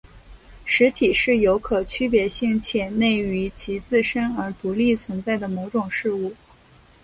实体是有可区别性且内于其自身而独立存在的某种事物。